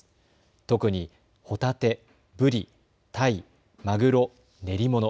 特にホタテ、ブリ、タイ、マグロ練り物。